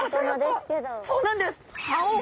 そうなんです。